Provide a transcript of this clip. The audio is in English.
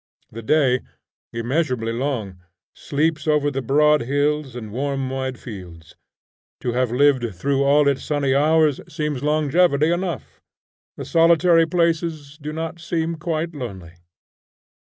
The day, immeasurably long, sleeps over the broad hills and warm wide fields. To have lived through all its sunny hours, seems longevity enough. The solitary places do not seem quite lonely.